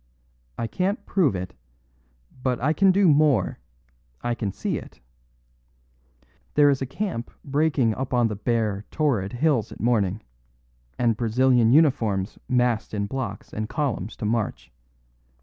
"I can't prove it; but I can do more I can see it. There is a camp breaking up on the bare, torrid hills at morning, and Brazilian uniforms massed in blocks and columns to march.